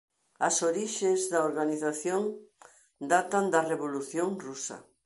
As orixes da organización datan da Revolución Rusa.